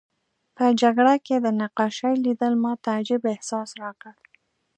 په جګړه کې د نقاشۍ لیدل ماته عجیب احساس راکړ